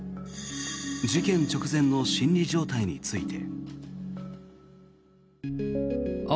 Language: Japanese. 事件直前の心理状態について。